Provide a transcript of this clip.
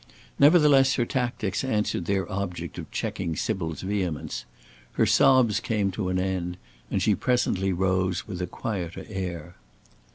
Nevertheless her tactics answered their object of checking Sybil's vehemence. Her sobs came to an end, and she presently rose with a quieter air.